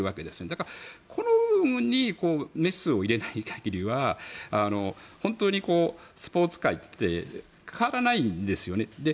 だから、この部分にメスを入れない限りは本当にスポーツ界って変わらないんですよね。